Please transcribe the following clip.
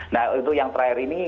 nah untuk yang terakhir ini